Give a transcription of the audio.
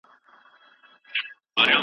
تحلیل د اجتماعي بدلون د راتلو مخه نیسي.